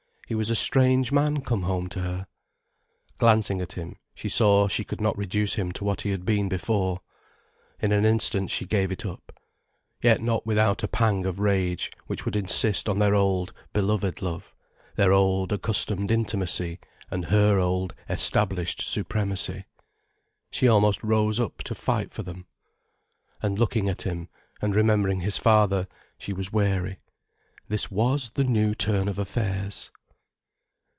He was a strange man come home to her. Glancing at him, she saw she could not reduce him to what he had been before. In an instant she gave it up. Yet not without a pang of rage, which would insist on their old, beloved love, their old, accustomed intimacy and her old, established supremacy. She almost rose up to fight for them. And looking at him, and remembering his father, she was wary. This was the new turn of affairs!